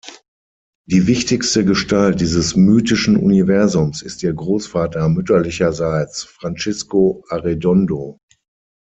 Die wichtigste Gestalt dieses mythischen Universums ist ihr Großvater mütterlicherseits, Francisco Arredondo.